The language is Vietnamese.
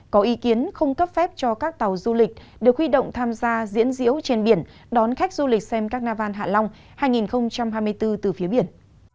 có ý kiến không cấp phép cho các tàu du lịch được huy động tham gia diễn diễu trên biển đón khách du lịch xem carnival hạ long hai nghìn hai mươi bốn từ phía biển